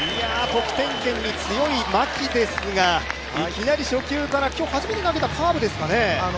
得点圏に強い牧ですが、いきなり初球から、今日初めて投げたカーブですかね？